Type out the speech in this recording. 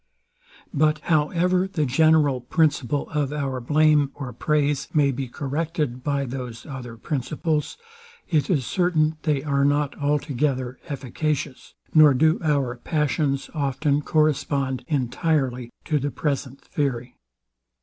But however the general principle of our blame or praise may be corrected by those other principles, it is certain, they are not altogether efficacious, nor do our passions often correspond entirely to the present theory.